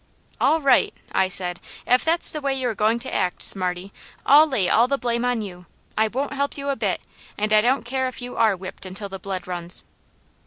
"All right!" I said. "If that's the way you are going to act, Smarty, I'll lay all the blame on you; I won't help you a bit, and I don't care if you are whipped until the blood runs."